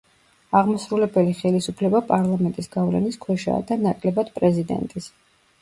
აღმასრულებელი ხელისუფლება პარლამენტის გავლენის ქვეშაა და ნაკლებად პრეზიდენტის.